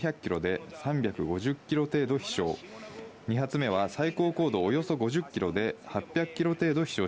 １発目は最高高度およそ１００キロで、３５０キロ程度、飛翔。